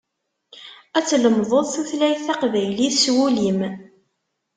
Ad tlemdeḍ tutlayt taqbaylit s wul-im.